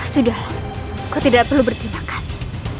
sudahlah kau tidak perlu berterima kasih